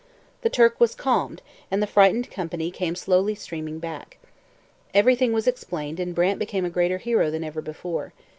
The Turk was calmed, and the frightened company came slowly streaming back. Everything was explained and Brant became a greater hero than ever before.